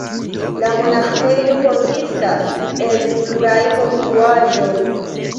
La monaĥejo konsistas el pluraj konstruaĵoj.